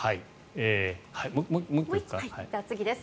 次です。